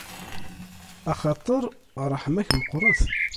Axaṭer ṛṛeḥma-k meqqret.